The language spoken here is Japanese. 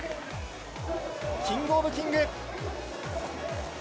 キングオブキング。